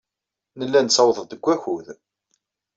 Nella nettaweḍ-d deg wakud.